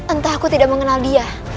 entah aku tidak mengenal dia